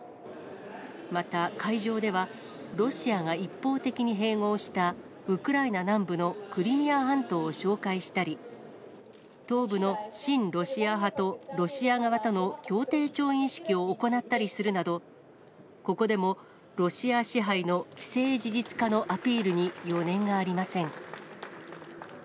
また、会場では、ロシアが一方的に併合したウクライナ南部のクリミア半島を紹介したり、東部の親ロシア派とロシア側との協定調印式を行ったりするなど、ここでもロシア支配の既成事実化のアピールに余念がありません。